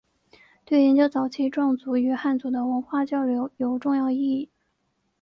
对研究早期壮族与汉族的文化交流有重要意义。